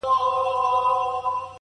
په ګاونډ کي پاچاهان او دربارونه!